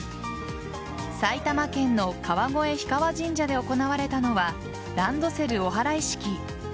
埼玉県の川越氷川神社で行われたのはランドセルお祓い式。